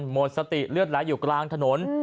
หมดสติเลือดไหลอยู่กลางถนน